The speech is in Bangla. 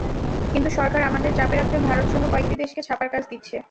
কিন্তু সরকার আমাদের চাপে রাখতে ভারতসহ কয়েকটি দেশকে ছাপার কাজ দিচ্ছে।